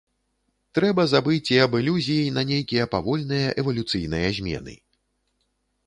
Трэба забыць і аб ілюзіі на нейкія павольныя эвалюцыйныя змены.